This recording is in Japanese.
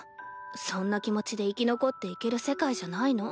そんな気持ちで生き残っていける世界じゃないの。